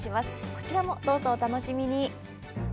こちらもどうぞ、お楽しみに。